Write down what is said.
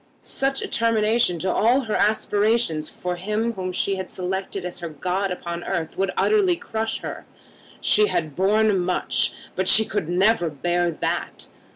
Such a termination to all her aspirations for him whom she had selected as her god upon earth would utterly crush her. She had borne much, but she could never bear that.